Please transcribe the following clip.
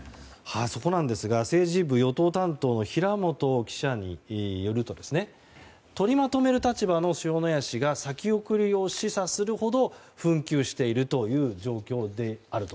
そこなんですが政治部与党担当の平元記者によると取りまとめる立場の塩谷氏が先送りを示唆するほど紛糾している状況であると。